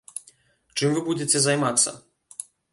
Чым вы будзеце займацца?